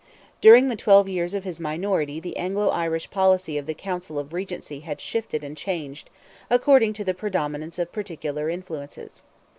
During the twelve years of his minority the Anglo Irish policy of the Council of Regency had shifted and changed, according to the predominance of particular influences.